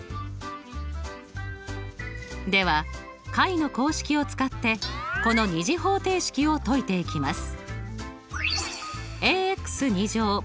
では解の公式を使ってこの２次方程式を解いていきます。